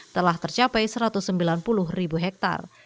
telah tercapai satu ratus sembilan puluh ribu hektare